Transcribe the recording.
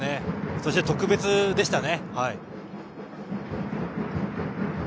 そして、特別でしたね。